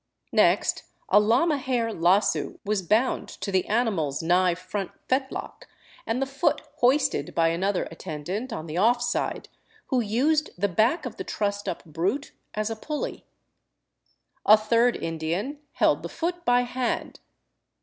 Next, a llama hair lassoo was bound to the animal's nigh front fetlock and the foot hoisted by another attendant on the off side, who used the back of the trussed up brute as a pulley. A third Indian held the foot by hand.